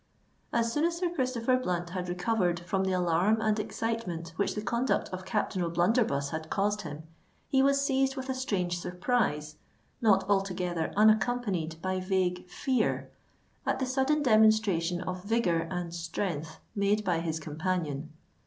As soon as Sir Christopher Blunt had recovered from the alarm and excitement which the conduct of Captain O'Blunderbuss had caused him, he was seized with a strange surprise, not altogether unaccompanied by vague fear, at the sudden demonstration of vigour and strength made by his companion.